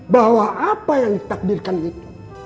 bahwa apa yang ditakdirkan itu